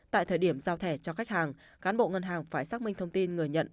tại thời điểm giao thẻ cho khách hàng cán bộ ngân hàng phải xác minh thông tin người nhận